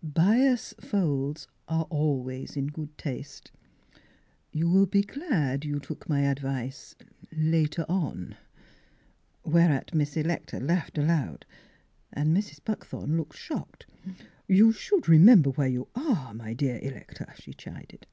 " Bias folds are always in good taste. You will be glad jou took my advice later on:' Whereat Miss Electa laughed aloud, and Mrs. Buckthorn looked shocked. " You should remem.ber where you are^ my dear Electa," she chided.